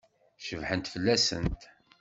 Cebḥent fell-asent?